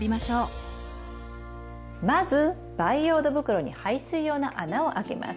まず培養土袋に排水用の穴を開けます。